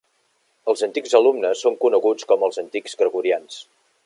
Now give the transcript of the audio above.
Els antics alumnes són coneguts com els Antics Gregorians.